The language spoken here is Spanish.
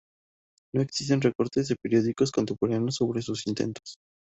No existen recortes de periódicos contemporáneos sobre sus intentos.